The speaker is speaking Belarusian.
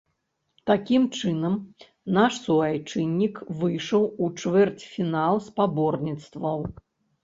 Такім чынам, наш суайчыннік выйшаў у чвэрцьфінал спаборніцтваў.